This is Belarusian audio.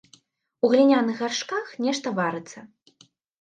У гліняных гаршках нешта варыцца.